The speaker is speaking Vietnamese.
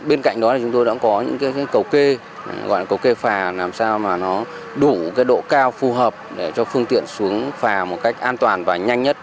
bên cạnh đó thì chúng tôi đã có những cầu kê gọi là cầu kê phà làm sao mà nó đủ độ cao phù hợp để cho phương tiện xuống phà một cách an toàn và nhanh nhất